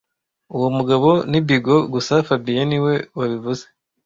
Uwo mugabo ni bigot gusa fabien niwe wabivuze